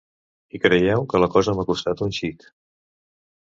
I creieu que la cosa m'ha costat un xic…